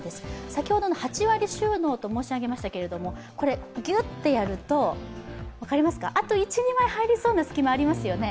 先ほど８割収納と申し上げましたけれども、これ、ぎゅっとやると、あと１２枚、入りそうな隙間、ありますよね。